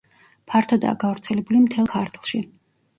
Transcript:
ფართოდაა გავრცელებული მთელ ქართლში.